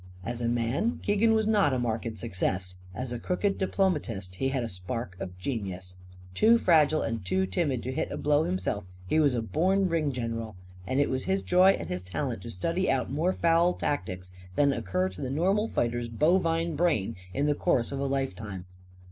As a man, Keegan was not a marked success. As a crooked diplomatist, he had sparks of genius. Too fragile and too timid to hit a blow himself, he was a born ring general. And it was his joy and his talent to study out more foul tactics than occur to the normal fighter's bovine brain in the course of a life time.